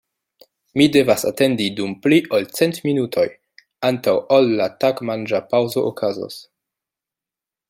Mi devas atendi dum pli ol cent minutoj antaŭ ol la tagmanĝa paŭzo okazos.